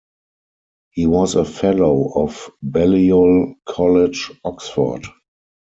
He was a Fellow of Balliol College, Oxford.